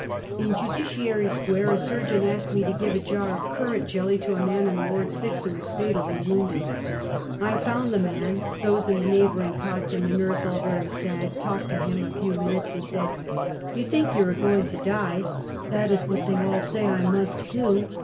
In Judiciary Square, a surgeon asked me to give a jar of currant jelly to a man in Ward Six, who was fatally wounded. I found the man, those in the neighboring cots and the nurse, all very sad, talked to him a few moments, and said: "You think you are going to die! "" That is what they all say I must do